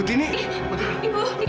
ibu kenapa bu